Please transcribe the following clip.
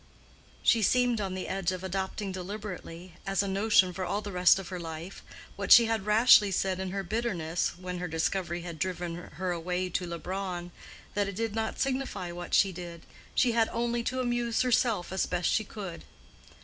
She seemed on the edge of adopting deliberately, as a notion for all the rest of her life, what she had rashly said in her bitterness, when her discovery had driven her away to Leubronn:—that it did not signify what she did; she had only to amuse herself as best she could.